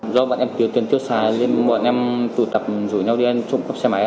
có giá và tiêu thụ dễ hơn